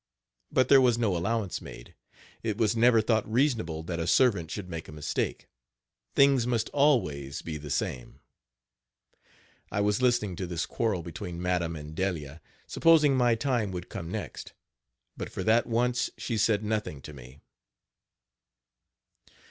But there was no allowance made. It was never thought reasonable that a servant should make a mistake things must always be the same. I was listening to this quarrel between madam and Delia, supposing my time would come next; but for that once she said nothing to me.